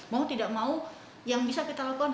mau tidak mau yang bisa kita lakukan